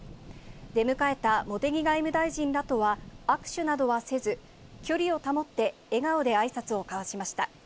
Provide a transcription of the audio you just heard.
出迎えた茂木外務大臣らとは握手などはせず、距離を保って笑顔であいさつを交わしました。